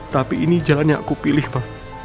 tapi ini jalan yang aku pilih pak